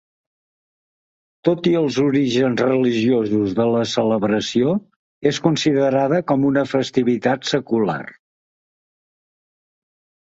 Tot i els orígens religiosos de la celebració, és considerada com una festivitat secular.